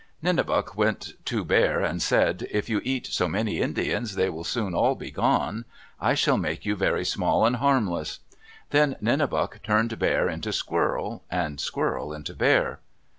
Nenebuc went to Bear and said, "If you eat so many Indians, they will soon all be gone. I shall make you very small and harmless." Then Nenebuc turned Bear into Squirrel and Squirrel into Bear.